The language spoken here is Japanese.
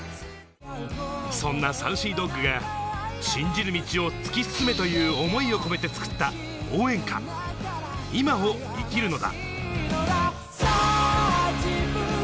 そんなＳａｕｃｙＤｏｇが、信じる道を突き進めという思いを込めて作った応援歌『現在を生きるのだ。』。